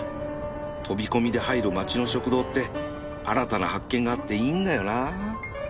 飛び込みで入る街の食堂って新たな発見があっていいんだよな